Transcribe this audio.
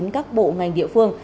các bộ ngành địa phương